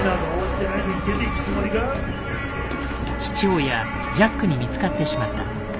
父親・ジャックに見つかってしまった。